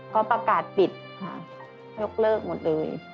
เขาประกาศปิดค่ะยกเลิกหมดเลย